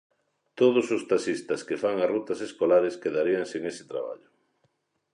Todos os taxistas que fan as rutas escolares quedarían sen ese traballo.